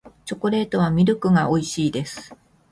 チョコレートはミルクが美味しいです